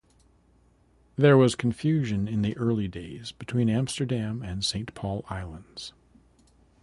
There was confusion in the early days between Amsterdam and Saint Paul Islands.